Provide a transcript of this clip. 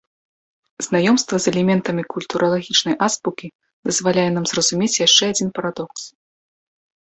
Знаёмства з элементамі культуралагічнай азбукі дазваляе нам зразумець яшчэ адзін парадокс.